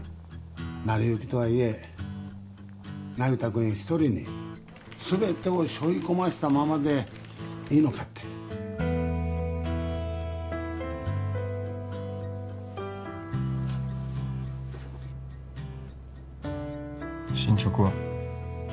成り行きとはいえ那由他君一人に全てをしょい込ませたままでいいのかって進捗は？